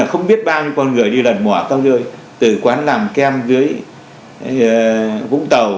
không biết bao nhiêu con người đi lận mỏa cao đưa từ quán làm kem dưới vũng tàu